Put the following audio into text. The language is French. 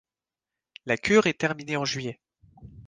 La cure est terminée en juillet.